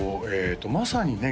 まさにね